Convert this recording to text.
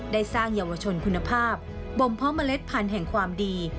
ได้สร้างเยาวชนคุณภาพบ่มเพาะเมล็ดพันธุ์แห่งความดี